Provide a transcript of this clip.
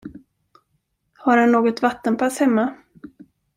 Har han något vattenpass hemma?